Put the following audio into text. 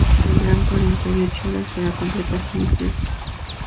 Tendrán cuarenta y ocho horas para completar su misión.